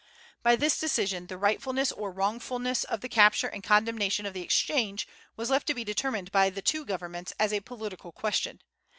By this decision, the rightfulness or the wrongfulness of the capture and condemnation of the "Exchange" was left to be determined by the two governments as a political question.